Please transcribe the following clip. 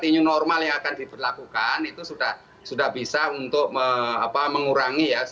new normal yang akan diberlakukan itu sudah bisa untuk mengurangi ya